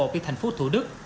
của thành phố thủ đức